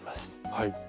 はい。